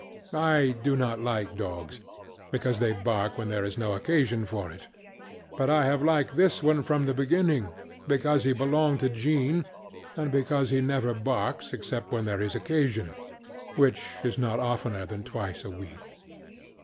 I do not like dogs, because they bark when there is no occasion for it; but I have liked this one from the beginning, because he belonged to Jean, and because he never barks except when there is occasionŌĆöwhich is not oftener than twice a week.